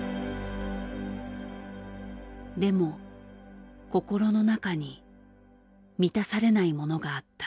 でも心の中に満たされないものがあった。